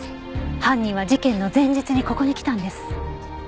犯人は事件の前日にここに来たんです。